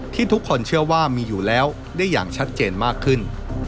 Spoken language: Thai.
ทุกคนเชื่อว่ามีอยู่แล้วได้อย่างชัดเจนมากขึ้น